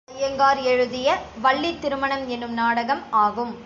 துரைசாமி ஐயங்கார் எழுதிய வள்ளித் திருமணம் எனும் நாடகமாகும்.